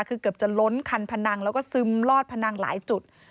คือเกือบจะล้นคันพนังแล้วก็ซึมลอดพนังหลายจุด